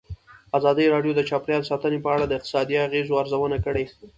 ازادي راډیو د چاپیریال ساتنه په اړه د اقتصادي اغېزو ارزونه کړې.